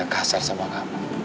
kasar sama kamu